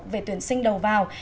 về tuyển sinh đầu vào